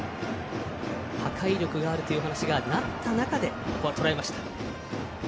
破壊力というお話があった中でここはとらえました。